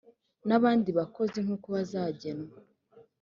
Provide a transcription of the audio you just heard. n abandi bakozi nkuko bazagenwa